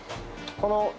この。